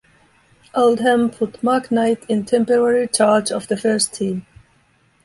Oldham put Mark Knight in temporary charge of the first team.